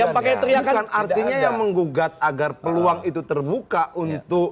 yang pakai teriakan artinya yang menggugat agar peluang itu terbuka untuk